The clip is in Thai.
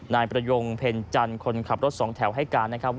นายประยงเพ็ญจันทร์คนขับรถสองแถวให้การนะครับ